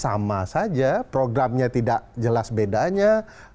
sama saja programnya tidak jelas bedanya